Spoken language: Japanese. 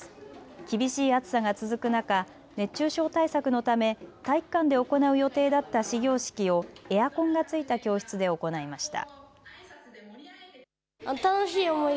厳しい暑さが続く中、熱中症対策のため体育館で行う予定だった始業式をエアコンがついた教室で行いました。